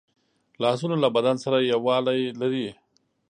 لاسونه له بدن سره یووالی لري